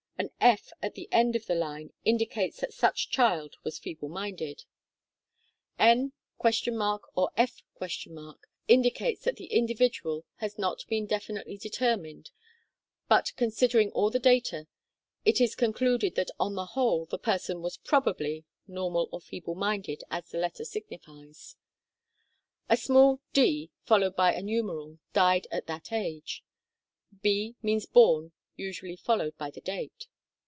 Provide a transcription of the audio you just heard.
An F at the end of the line indicates that such child was feeble minded. THE CHARTS 35 N ? or F ? indicates that the individual has not been definitely determined, but, considering all the data, it is concluded that on the whole, the person was probably normal or feeble minded, as the letter signifies. A small d. followed by a numeral means died at that age ; b. means born, usually followed by the date.